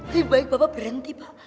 lebih baik bapak berhenti pak